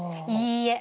いいえ。